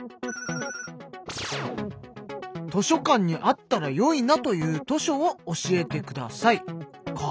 「図書館にあったら、よいなという図書を教えてください！！」か。